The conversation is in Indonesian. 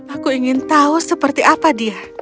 aku ingin tahu seperti apa dia